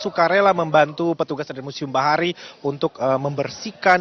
suka rela membantu petugas dari museum bahari untuk membersihkan